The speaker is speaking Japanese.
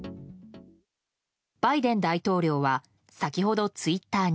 バイデン大統領は先ほど、ツイッターに。